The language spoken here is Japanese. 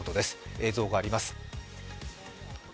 映像があります。